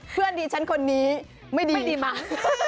เพื่อนดีฉันคนนี้ไม่ดีดีมั้ง